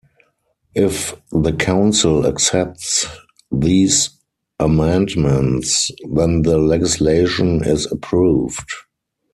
If the Council accepts these amendments then the legislation is approved.